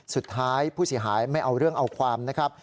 สุดท้ายผู้เสียหายไม่เอาเรื่องเอาความนะครับ